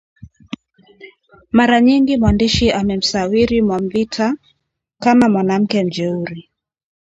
Mara nyingi mwandishi amemsawiri Mwavita kama mwanamke mjeuri